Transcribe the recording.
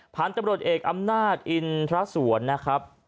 ผ่านจับรวจเอกอำนาจอินตราสวร